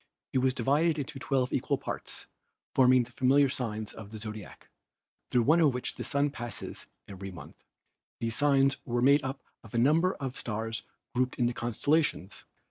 It was divided into twelve equal parts, forming the familiar signs of the zodiac, through one of which the Sun passes every month. These signs were made up of a number of stars grouped into constellations.